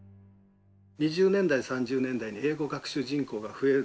２０年代３０年代に英語学習人口が増える。